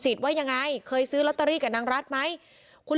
สิดว่ายังไงเคยซื้อรัตตอรีกับนางรัจไหมคุณลุง